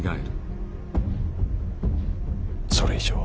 それ以上は。